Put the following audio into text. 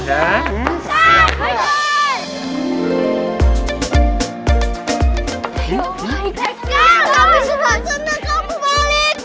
kan tapi sudah seneng kamu balik